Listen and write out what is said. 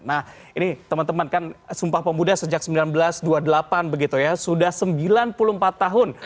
nah ini teman teman kan sumpah pemuda sejak seribu sembilan ratus dua puluh delapan begitu ya sudah sembilan puluh empat tahun